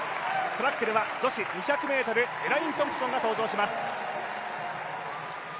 トラックでは女子２００ｍトンプソンが登場します。